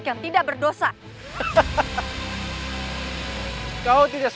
kita tidak ada yang datang